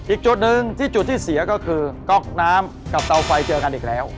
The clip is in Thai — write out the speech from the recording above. อีกจุดหนึ่งที่จุดที่เสียก็คือก๊อกน้ำกับเตาไฟเจอกันอีกแล้ว